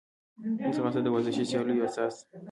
ځغاسته د ورزشي سیالیو اساس ده